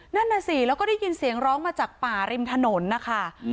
นั่นน่ะสิแล้วก็ได้ยินเสียงร้องมาจากป่าริมถนนนะคะ